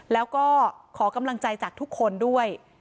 แล้วก็ขอกำลังใจจากทุกคนด้วย